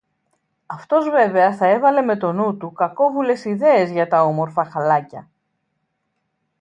Αυτός βέβαια θα έβαλε με το νου του κακόβουλες ιδέες για τα όμορφα χαλάκια